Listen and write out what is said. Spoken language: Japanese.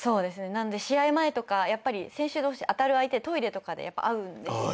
なんで試合前とかやっぱり選手同士当たる相手トイレとかで会うんです。